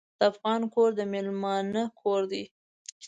د افغان کور د میلمانه کور دی.